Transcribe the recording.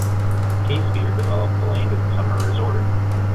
Casebeer developed the land as a summer resort.